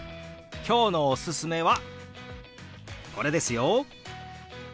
今日のおすすめはこれですよ。